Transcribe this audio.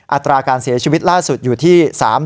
อัตราการเสียชีวิตล่าสุดอยู่ที่๓๐